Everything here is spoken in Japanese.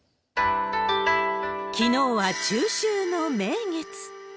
きのうは中秋の名月。